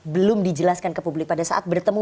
belum dijelaskan ke publik pada saat bertemu